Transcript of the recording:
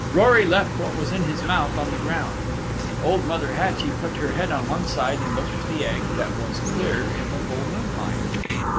Rory left what was in his mouth on the ground. Old Mother Hatchie put her head on one side and looked at the Egg that was clear in the full moonlight.